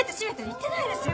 言ってないですよ！